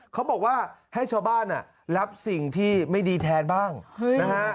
เขาบอกว่าให้ชาวบ้านรับสิ่งที่ไม่ดีแทนบ้างนะฮะ